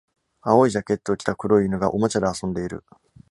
青いジャケットを着た黒い犬がおもちゃで遊んでいる。